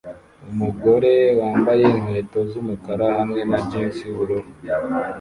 Umugore wambaye inkweto z'umukara hamwe na jans yubururu